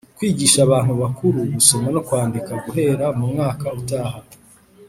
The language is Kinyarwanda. kwigisha abantu bakuru gusoma no kwandika guhera mu mwaka utaha